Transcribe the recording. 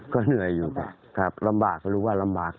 ก็เหนื่อยอยู่ครับลำบากหรือว่าลำบาก